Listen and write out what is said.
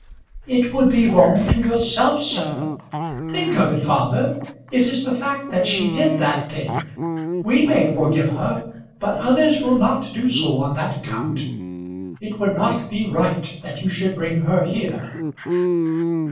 "It would be wrong to yourself, sir. Think of it, father. It is the fact that she did that thing. We may forgive her, but others will not do so on that account. It would not be right that you should bring her here."